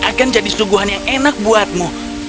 akan jadi suguhan yang enak buatmu